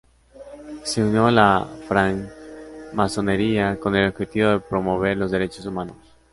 Se unió a la francmasonería con el objetivo de promover los derechos humanos.